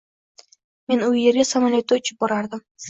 Men u yerga samolyotda uchib borardim